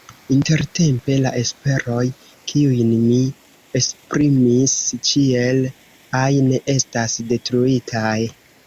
Intertempe la esperoj, kiujn mi esprimis, ĉiel ajn estas detruitaj.